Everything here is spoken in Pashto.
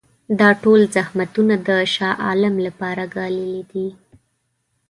دا ټول زحمتونه د شاه عالم لپاره ګاللي دي.